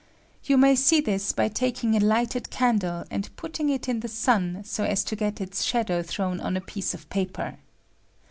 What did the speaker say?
You may see this by taking a lighted candle, and putting it in the ■ sun BO as to get its shadow thrown on a piece :of paper.